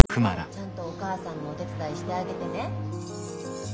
ちゃんとお母さんのお手伝いしてあげてね。